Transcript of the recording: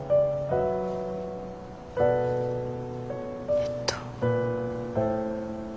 えっと。